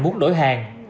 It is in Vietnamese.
muốn đổi hàng